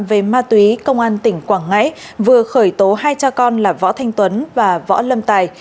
về ma túy công an tỉnh quảng ngãi vừa khởi tố hai cha con là võ thanh tuấn và võ lâm tài